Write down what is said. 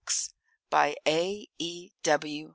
by A. E. W.